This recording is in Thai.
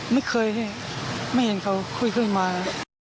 ไม่เคยไม่เห็นเขาคุยขึ้นมา